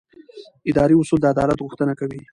اداري اصول د عدالت غوښتنه کوي.